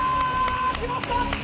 決まった！